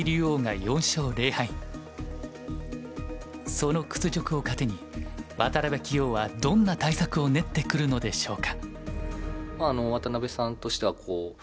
その屈辱を糧に渡辺棋王はどんな対策を練ってくるのでしょうか。